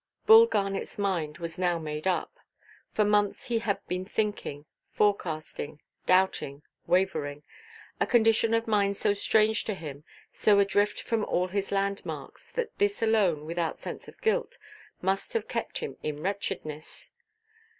Bull Garnetʼs mind was now made up. For months he had been thinking, forecasting, doubting, wavering—a condition of mind so strange to him, so adrift from all his landmarks, that this alone, without sense of guilt, must have kept him in wretchedness.